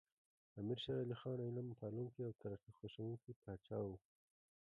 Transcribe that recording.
امیر شیر علی خان علم پالونکی او ترقي خوښوونکی پاچا و.